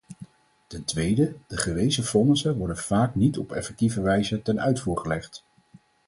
Ten tweede: de gewezen vonnissen worden vaak niet op effectieve wijze ten uitvoer gelegd.